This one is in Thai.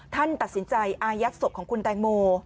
ท่านตัดสินใจอายัดศพของคุณแตงโม